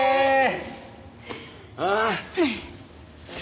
ああ。